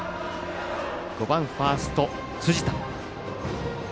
５番ファースト辻田。